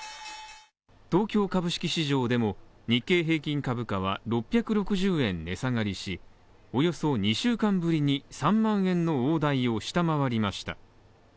東京株式市場でも日経平均株価は６６０円値下がりし、およそ２週間ぶりに３万円の大台を下回りました。